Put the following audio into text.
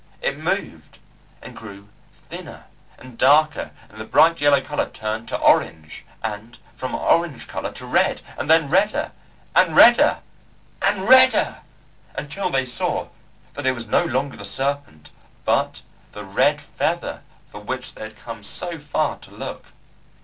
It moved! and grew thinner and darker, and the bright yellow colour turned to orange, and from orange colour to red, and then redder! and redder!! and redder!!! until they saw that it was no longer the serpent, but the Red Feather for which they had come so far to look!